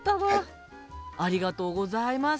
ありがとうございます。